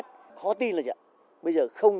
như lần đầu tiên